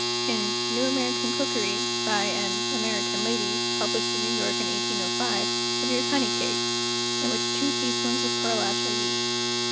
In "New American Cookery," by an "American lady," published in New York in 1805, appears Honey Cake, in which two teaspoons of pearlash are used.